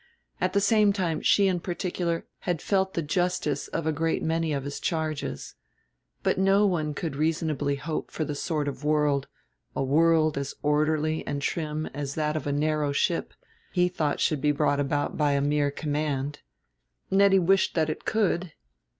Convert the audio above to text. At the same time she in particular had felt the justice of a great many of his charges. But no one could reasonably hope for the sort of world a world as orderly and trim as that of a narrow ship he thought should be brought about by a mere command. Nettie wished that it could!